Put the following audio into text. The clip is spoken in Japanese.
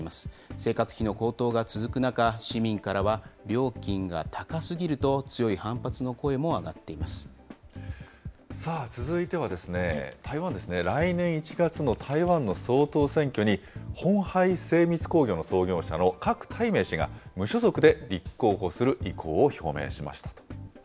生活費の高騰が続く中、市民からは料金が高すぎると、強い反発のさあ、続いてはですね、台湾ですね、来年１月の台湾の総統選挙に、ホンハイ精密工業の創業者の郭台銘氏が、無所属で立候補する意向を表明しましたと。